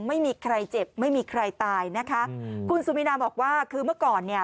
ไม่มีใครเจ็บไม่มีใครตายนะคะคุณสุมินาบอกว่าคือเมื่อก่อนเนี่ย